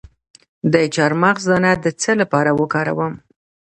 د چارمغز دانه د څه لپاره وکاروم؟